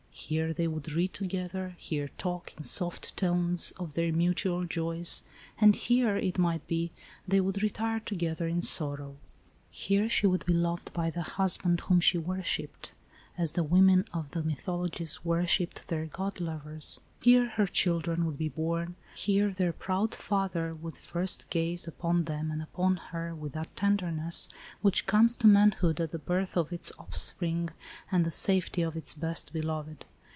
Here they would read together, here talk, in soft tones, of their mutual joys, and here, it might be, they would retire together in sorrow. Here she would be loved by the husband whom she worshipped, as the women of the mythologies worshipped their God lovers, here her children would be born, here their proud father would first gaze upon them and upon her with that tenderness, which comes to manhood at the birth of its offspring and the safety of its best beloved.